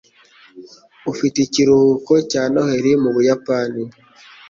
Ufite ikiruhuko cya Noheri mu Buyapani?